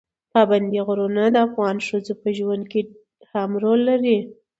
پابندي غرونه د افغان ښځو په ژوند کې هم رول لري.